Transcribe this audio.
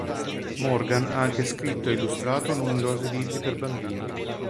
Morgan ha anche scritto e illustrato numerosi libri per bambini.